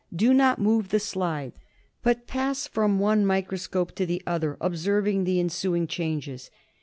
Do not move the slides, but pass from one microscope to the other observing the ensuing changes.